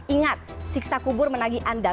ingat siksa kubur menagi anda